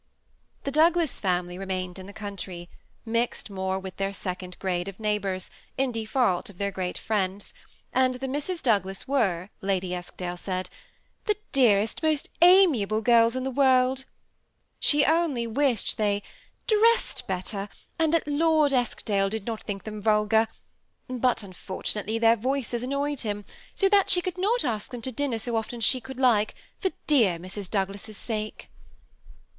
The Douglas family remained in the country, mixed more with their second grade of neighbors, in default of their great friends ; and the Misses Douglas were. Lady Eskdale said, '^the dearest, most amiable girls in the world ;" she only wished they " dressed better, and that Lord Eskdale did not think them vulgar ; but unfortu nately their voices annoyed him, so that she could not ask them to dinner so often as she should like for dear Mrs. Douglas's sake." THE SEMI ATTACHED COUPLE.